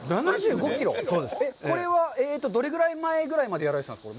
これはどれぐらい前ぐらいまでやられてたんですか？